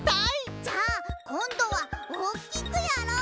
じゃあこんどはおおきくやろう！